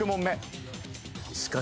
しかし。